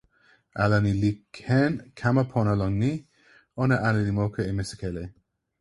ale ni li ken kama pona lon ni: ona ale li moku e misikeke.